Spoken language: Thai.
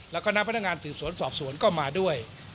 และคณะพนักงานสืบสวนสอบสวนก็มาด้วย